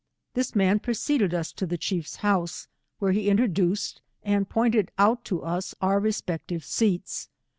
This man preceded us to the thief's house, wliere he introduced and pointed out to us our re spective seats.